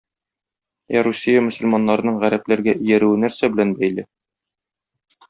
Ә Русия мөселманнарының гарәпләргә иярүе нәрсә белән бәйле?